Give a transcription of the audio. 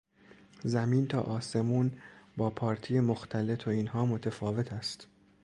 زمین تا آسمون با پارتی مختلط و اینها متفاوت است.